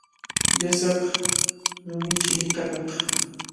Llasaq rumichi kanaq.